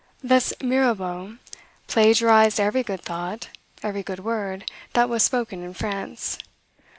Thus Mirabeau plagiarized every good thought, every good word, that was spoken in France.